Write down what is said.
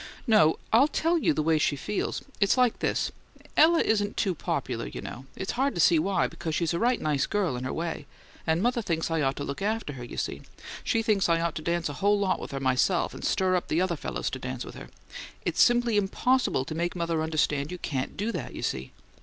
"No; I'll tell you the way she feels. It's like this: Ella isn't TOO popular, you know it's hard to see why, because she's a right nice girl, in her way and mother thinks I ought to look after her, you see. She thinks I ought to dance a whole lot with her myself, and stir up other fellows to dance with her it's simply impossible to make mother understand you CAN'T do that, you see.